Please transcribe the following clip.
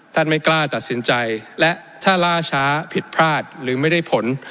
ไม่กล้าตัดสินใจและถ้าล่าช้าผิดพลาดหรือไม่ได้ผล